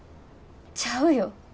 ちゃうよ。